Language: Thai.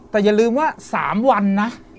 แต่อย่าลืมว่า๓วันนะ